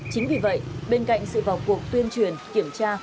chính vì vậy bên cạnh sự vào cuộc tuyên truyền kiểm tra